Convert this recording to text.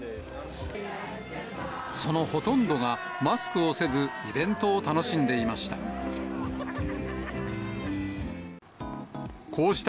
そのほとんどがマスクをせず、イベントを楽しんでいました。